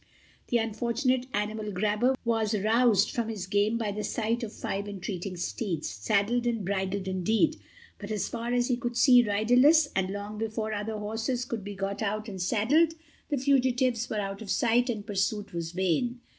The unfortunate Animal Grabber was roused from his game by the sight of five retreating steeds—saddled and bridled indeed, but, as far as he could see, riderless, and long before other horses could be got out and saddled the fugitives were out of sight and pursuit was vain.